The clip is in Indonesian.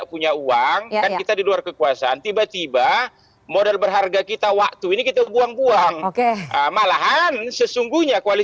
kader model saya ini begitu ya